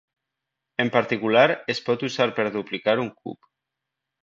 En particular, es pot usar per duplicar un cub.